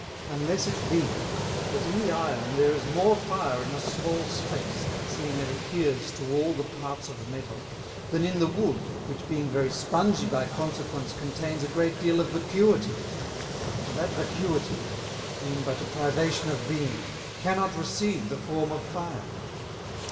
Unless it be, that in the Iron there is more Fire in a small space, seeing it adheres to all the parts of the Metal, than in the Wood which being very Spongy by consequence contains a great deal of Vacuity; and that Vacuity, being but a Privation of Being, cannot receive the form of Fire.